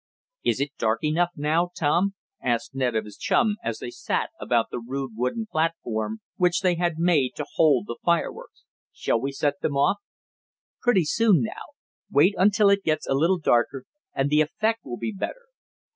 "Is it dark enough now, Tom?" asked Ned of his chum, as they sat about the rude wooden platform which they had made to hold the fireworks. "Shall we set them off?" "Pretty soon now. Wait until it gets a little darker, and the effect will be better."